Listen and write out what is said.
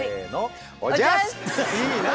いいな。